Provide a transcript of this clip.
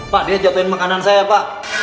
pak dia jatuhin makanan saya pak